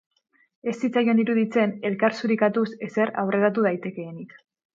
Ez zitzaion iruditzen elkar zurikatuz ezer aurreratu daitekeenik.